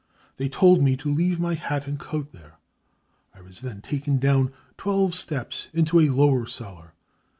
They told me to leave my hat and coat there. I was then taken down twelve steps into a lower cellar.